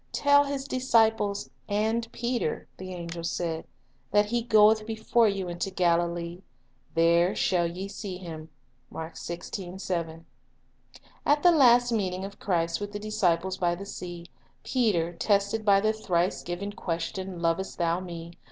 "Tell His disciples and Peter," the angel said, "that He goeth before you into Galilee; there shall ye see Him." 1 At the last meeting of Christ with the disciples by the sea, Peter, tested by the thrice given question, " Lovest thou Me?"